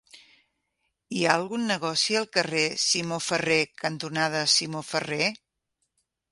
Hi ha algun negoci al carrer Simó Ferrer cantonada Simó Ferrer?